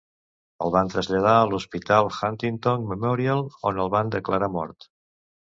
El van traslladar a l'hospital Huntington Memorial, on el van declarar mort.